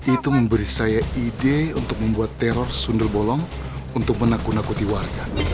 itu memberi saya ide untuk membuat teror sunda bolong untuk menakut nakuti warga